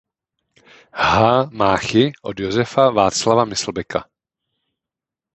H. Máchy od Josefa Václava Myslbeka.